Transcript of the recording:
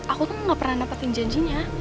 aku tuh gak pernah dapetin janjinya